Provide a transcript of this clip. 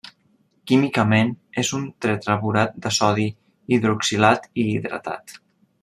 Químicament és un tetraborat de sodi hidroxilat i hidratat.